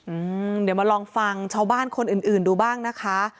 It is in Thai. อืมเดี๋ยวมาลองฟังชาวบ้านคนอื่นอื่นดูบ้างนะคะ